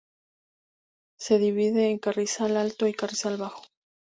Se divide en Carrizal Alto y Carrizal Bajo.